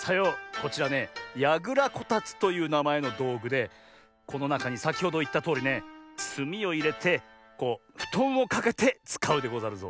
こちらね「やぐらこたつ」というなまえのどうぐでこのなかにさきほどいったとおりねすみをいれてこうふとんをかけてつかうでござるぞ。